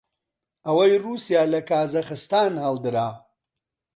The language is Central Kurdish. ئەوەی ڕووسیا لە کازاخستان هەڵدرا